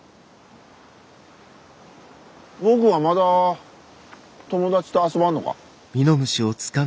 ボクはまだ友達と遊ばんのか？